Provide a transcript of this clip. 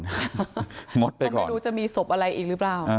แต่ไม่รู้จะมีศพอะไรอีกหรือเปล่า